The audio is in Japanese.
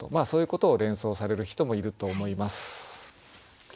そういうことを連想される人もいると思います。